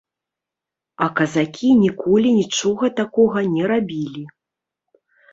А казакі ніколі нічога такога не рабілі.